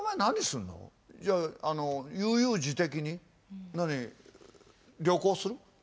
じゃあ悠々自適に何旅行する？」。